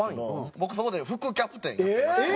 僕そこで副キャプテンやってまして。